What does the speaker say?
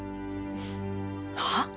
はっ？